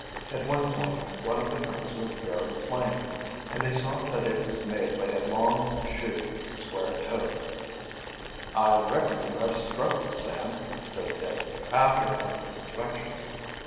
At one point one of the prints was very plain, and they saw that it was made by a long shoe, square toed. "I reckon you have struck it, Sam," said Dick, after an inspection.